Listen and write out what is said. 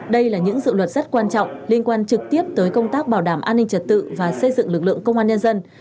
đây là những dự luật rất quan trọng liên quan trực tiếp tới công tác bảo đảm an ninh trật tự và xây dựng lực lượng công an nhân dân